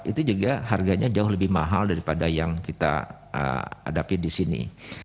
itu juga harganya jauh lebih mahal daripada yang kita hadapi di sini